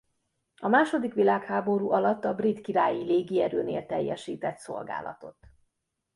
A második világháború alatt a Brit Királyi Légierőnél teljesített szolgálatot.